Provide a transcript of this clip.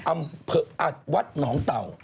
อำเภออัดวัดหนองเต่า